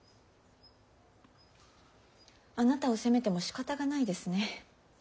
あなたを責めてもしかたがないですね。